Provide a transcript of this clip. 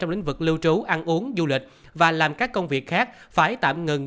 trong lĩnh vực lưu trú ăn uống du lịch và làm các công việc khác phải tạm ngừng